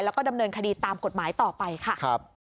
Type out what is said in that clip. แล้วก็ดำเนินคดีตามกฎหมายต่อไปค่ะ